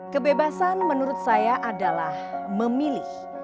kebebasan menurut saya adalah memilih